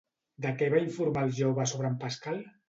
De què va informar el jove sobre en Pascal?